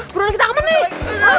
buruan kita kemana nih